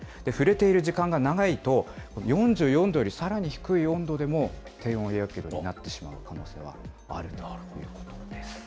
触れている時間が長いと、４４度よりさらに低い温度でも、低温やけどになってしまう可能性があるんだということです。